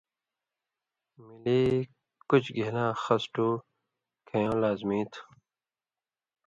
ملی کُچ گھیلاں خس ٹُو کھیؤں لازمی تُھو۔